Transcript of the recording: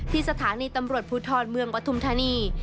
สถานีตำรวจภูทรเมืองปฐุมธานี